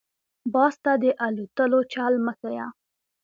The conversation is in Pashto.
- باز ته دالوتلو چل مه ښیه.